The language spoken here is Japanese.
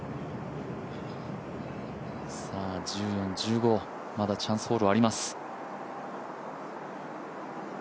１４、１５、まだチャンスホールはあります。